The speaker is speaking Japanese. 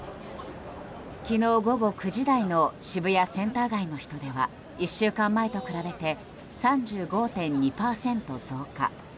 昨日午後９時台の渋谷センター街の人出は１週間前と比べて３５．２％増加。